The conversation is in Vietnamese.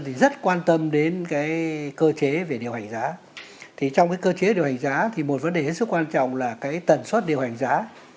thì rất quan tâm đến cơ chế về điều hành giá trong cơ chế điều hành giá thì một vấn đề rất quan trọng là tần suất điều hành giá